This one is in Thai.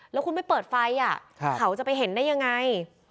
แล้วคุณไม่เปิดไฟเขาจะไปเห็นได้ยังไง